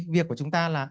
việc của chúng ta là